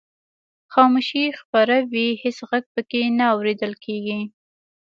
خاموشي خپره وي هېڅ غږ پکې نه اورېدل کیږي.